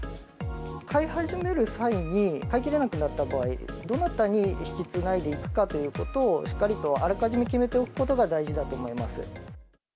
飼い始める際に、飼いきれなくなった場合、どなたに引きつないでいくかということを、しっかりとあらかじめ決めておくことが大事だと思います。